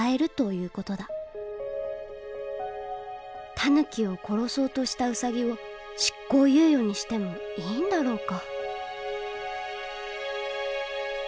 タヌキを殺そうとしたウサギを執行猶予にしてもいいんだろうか。